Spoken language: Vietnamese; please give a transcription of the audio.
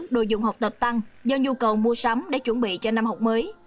đồ dùng học tập tăng do nhu cầu mua sắm để chuẩn bị cho năm học mới